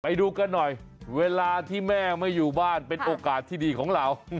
ไปดูกันหน่อยเวลาที่แม่ไม่อยู่บ้านเป็นโอกาสที่ดีของเรา